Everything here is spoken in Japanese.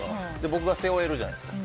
僕が背負えるじゃないですか。